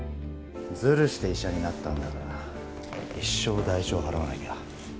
ずるして医者になったんだから一生代償払わなきゃ